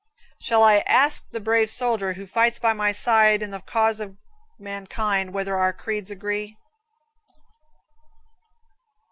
Shall I ask the brave soldier who fights by my side in the cause of mankind whether our creeds agree?